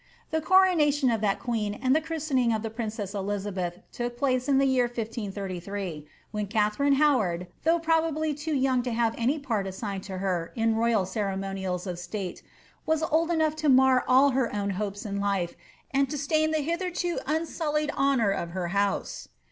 The coronation of that queen and the christening of the princess Elizabeth took place in the year 1533, when Katharine Howard, though certainly too young to have any part assigned to her in royal ceremonials of state, was old enough to mar all her own hopes in life and to stain the hitherto unsullied honour of her house.